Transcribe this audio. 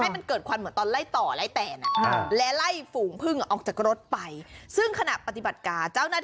ผัวแสโห้ต้องโดนมากแล้ว